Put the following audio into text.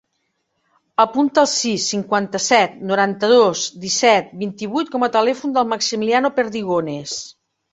Apunta el sis, cinquanta-set, noranta-dos, disset, vint-i-vuit com a telèfon del Maximiliano Perdigones.